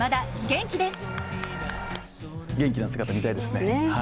元気な姿、見たいですね。